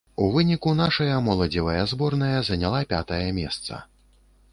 У выніку нашая моладзевая зборная заняла пятае месца.